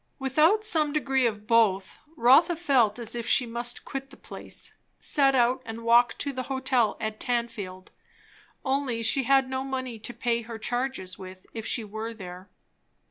Without some degree of both, Rotha felt as if she must quit the place, set out and walk to the hotel at Tanfield; only she had no money to pay her charges with if she were there.